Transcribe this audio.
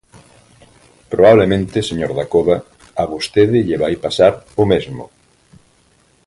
Probablemente, señor Dacova, a vostede lle vai pasar o mesmo.